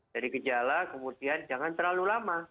dari gejala kemudian jangan terlalu lama